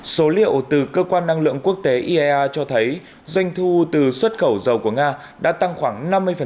số liệu từ cơ quan năng lượng quốc tế iea cho thấy doanh thu từ xuất khẩu dầu của nga đã tăng khoảng năm mươi